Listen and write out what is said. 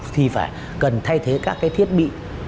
thì phải cần thay thế các thiết bị